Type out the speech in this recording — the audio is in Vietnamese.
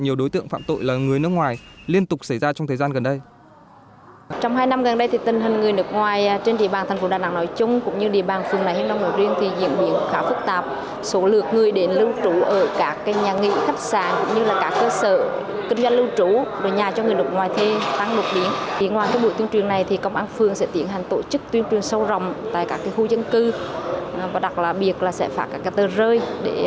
nhiều đối tượng phạm tội là người nước ngoài liên tục xảy ra trong thời gian gần đây